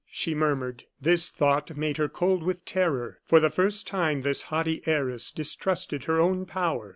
she murmured. This thought made her cold with terror. For the first time this haughty heiress distrusted her own power.